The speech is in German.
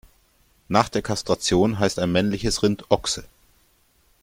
Nach der Kastration heißt ein männliches Rind Ochse.